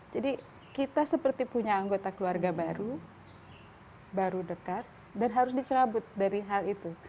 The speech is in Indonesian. jadi kita seperti punya anggota keluarga baru baru dekat dan harus dicelabut dari hal itu